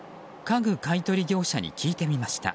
家具買い取り業者に聞いてみました。